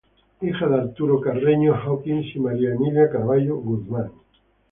Hija de Arturo Carreño Hawkins y María Emilia Carvalho Guzmán.